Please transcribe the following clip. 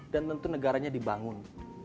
dan tentu negaranya dibangun